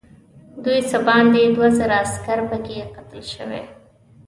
دوی څه باندې دوه زره عسکر پکې قتل شوي.